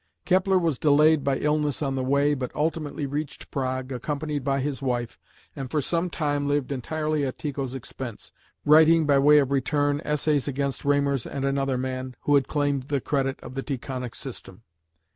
Kepler was delayed by illness on the way, but ultimately reached Prague, accompanied by his wife, and for some time lived entirely at Tycho's expense, writing by way of return essays against Reymers and another man, who had claimed the credit of the Tychonic system.